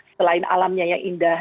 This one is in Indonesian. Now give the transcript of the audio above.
selain alamnya yang indah